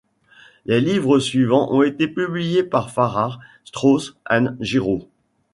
Les livres suivants ont été publiés par Farrar, Straus and Giroux.